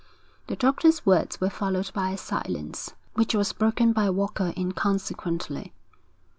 The doctor's words were followed by a silence, which was broken by Walker inconsequently.